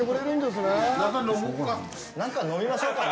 何か飲みましょうかね。